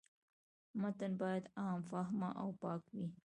متن باید عام فهمه او پاک وي.